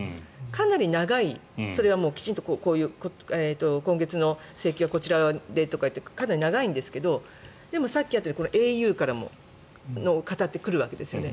かなり長い、きちんと今月の請求はこちらでとかいってかなり長いんですけどでもさっきあったようにａｕをかたって来るわけですよね。